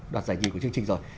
đoạt giải nhì của chương trình rồi